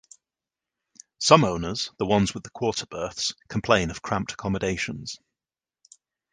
Some owners (the ones with the quarter berths) complain of cramped accommodations.